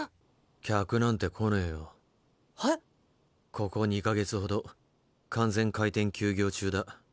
ここ２か月ほど完全開店休業中だ。